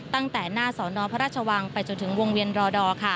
ตั้งแต่หน้าสอนอพระราชวังไปจนถึงวงเวียนรอดอร์